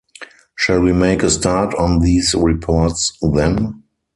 Shall we make a start on these reports then?